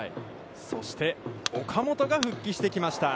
そして岡本が復帰してきました。